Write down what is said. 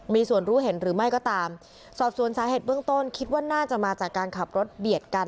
มีส่วนรู้เห็นหรือไม่ก็ตามสอบสวนสาเหตุเบื้องต้นคิดว่าน่าจะมาจากการขับรถเบียดกัน